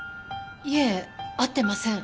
いえ会ってません。